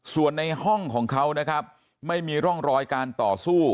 ส่วนในห้องของเขานะครับไม่มีร่องรอยการต่อสู้